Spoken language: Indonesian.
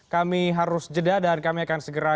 kami harus jeda dan kami akan segera